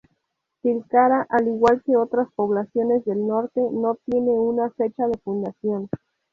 Tilcara, al igual que otras poblaciones del norte, no tiene una fecha de fundación.